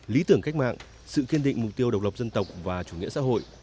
lý tưởng cách mạng sự kiên định mục tiêu độc lập dân tộc và chủ nghĩa xã hội